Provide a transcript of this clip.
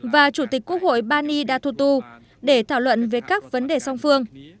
và chủ tịch quốc hội bani datutu để thảo luận về các vấn đề song phương